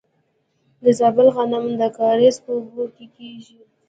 د زابل غنم د کاریز په اوبو کیږي.